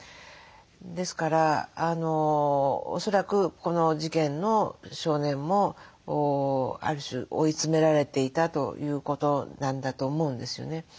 ですから恐らくこの事件の少年もある種追い詰められていたということなんだと思うんですよね。